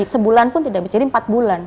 jadi sebulan pun tidak bisa jadi empat bulan